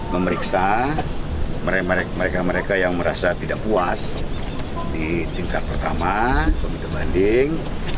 memeriksa mereka mereka yang merasa tidak puas di tingkat pertama komite banding